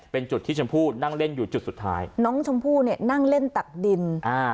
เป็นจุดที่ชมพู่นั่งเล่นอยู่จุดสุดท้ายน้องชมพู่เนี่ยนั่งเล่นตักดินอ่า